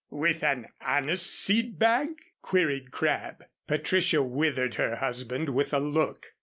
'" "With an anise seed bag?" queried Crabb. Patricia withered her husband with a look.